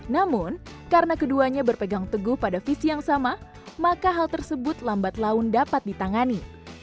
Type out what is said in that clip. namun karena keduanya berpegang teguh pada visi yang sama maka hal tersebut lambat laun dapat ditangani